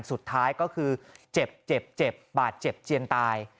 สุดท้ายก็คือเจ็บเจ็บบาดเจ็บเจียนตาย